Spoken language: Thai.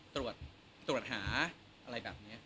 ตรวจอาหารอะไรแบบนี้